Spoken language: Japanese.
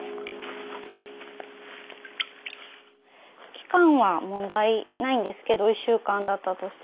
期間は問題ないんですけど１週間だったとしても。